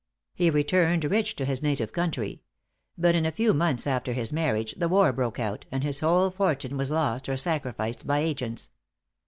He returned rich to his native country; but in a few months after his marriage the war broke out, and his whole fortune was lost or sacrificed by agents.